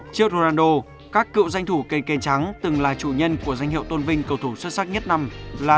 trước ronaldo các cựu danh thủ kênh kênh trắng từng là chủ nhân của danh hiệu tôn vinh cầu thủ xuất sắc nhất năm là